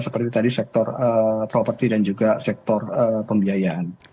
seperti tadi sektor properti dan juga sektor pembiayaan